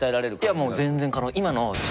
いやもう全然。